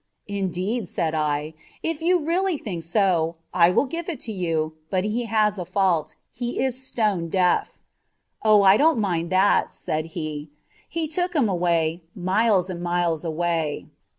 "Indeed," said I, "if you really think so, I will give it to you; but he has a fault he is 'stone' deaf." "Oh, I don't mind that," said he. He took him away miles and miles away.